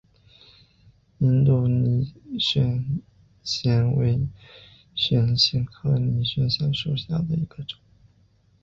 印度拟蕨藓为蕨藓科拟蕨藓属下的一个种。